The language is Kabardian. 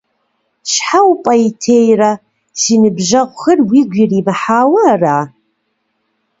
Щхьэ упӀейтейрэ, си ныбжьэгъухэр уигу иримыхьауэ ара?